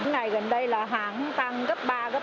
thứ này gần đây là hẳn tăng cấp ba cấp bốn